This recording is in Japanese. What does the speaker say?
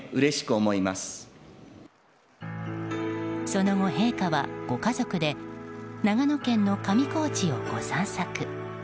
その後、陛下はご家族で長野県の上高地をご散策。